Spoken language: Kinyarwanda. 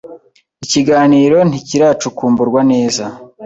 Ikiganiro ntikiracukumburwa neza.